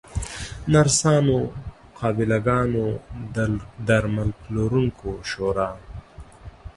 نرسانو، قابله ګانو، درمل پلورونکو شورا